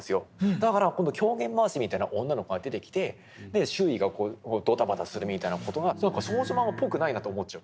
だから狂言回しみたいな女の子が出てきて周囲がドタバタするみたいな事が少女漫画っぽくないなと思っちゃう。